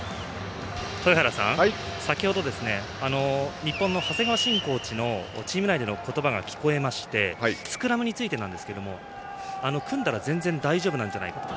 豊原さん、先ほど日本の長谷川慎コーチのチーム内での言葉が聞こえましてスクラムについて組んだら全然大丈夫なんじゃないかと。